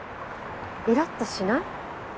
イラッとしない？